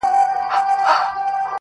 بېگانه مو په مابین کي عدالت دئ،